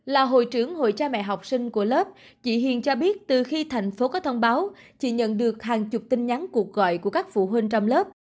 là hội trưởng hội cha mẹ học sinh của lớp chị hiền cho biết từ khi thành phố có thông báo chị nhận được hàng chục tin nhắn cuộc gọi của các phụ huynh trong lớp